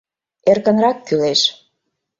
Эркынрак кӱлеш.